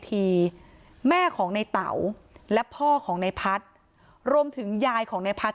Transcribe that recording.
แม่ของในเต๋าและพ่อของในพัฒน์รวมถึงยายของในพัฒน